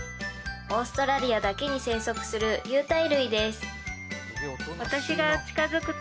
オーストラリアだけに生息する有袋類です